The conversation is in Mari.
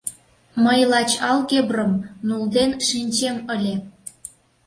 Мый лач алгебрым «нулден» шинчем ыле.